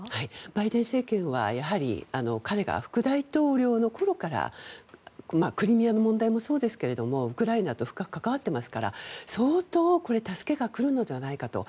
バイデン政権はやはり、彼が副大統領の頃からクリミアの問題もそうですがウクライナと深く関わっていますから相当助けが来るのではないかと。